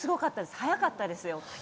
速かったですよ。